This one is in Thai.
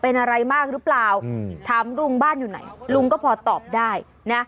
เป็นอะไรมากหรือเปล่าถามลุงบ้านอยู่ไหนลุงก็พอตอบได้นะ